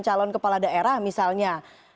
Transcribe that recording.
calon kepala daerah misalnya